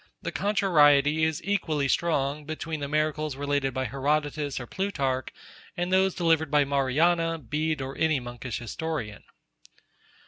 The contrariety is equally strong between the miracles related by Herodotus or Plutarch, and those delivered by Mariana, Bede, or any monkish historian.